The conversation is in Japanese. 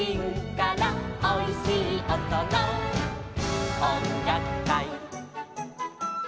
「おいしいおとのおんがくかい」